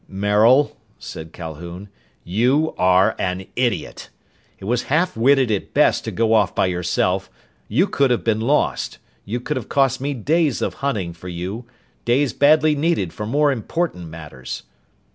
"Maril," said Calhoun, "you are an idiot! It was half witted at best to go off by yourself! You could have been lost! You could have cost me days of hunting for you, days badly needed for more important matters!"